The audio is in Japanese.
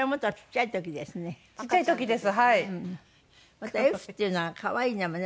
また「笑福」っていうのは可愛い名前ね。